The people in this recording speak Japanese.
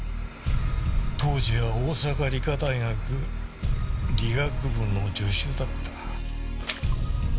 当時は大阪理科大学理学部の助手だった。